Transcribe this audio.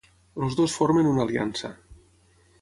Els dos formen una aliança.